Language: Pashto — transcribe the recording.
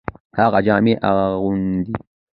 هغه جامي اغوندي .